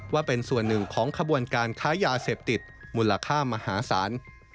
ว่าเป็นส่วนหนึ่งของขบวนการค้ายาเสพติดมูลค่ามหาศาล